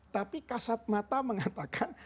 tapi kasat mata mengatakan